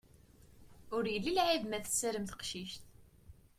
Ur yelli lɛib ma tessarem teqcict.